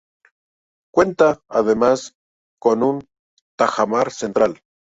Cuenta, además, con un tajamar central.